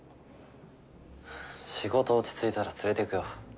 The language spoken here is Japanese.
仕事落ち着いたら連れてくよ。